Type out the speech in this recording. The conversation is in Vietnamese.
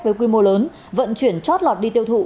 với quy mô lớn vận chuyển chót lọt đi tiêu thụ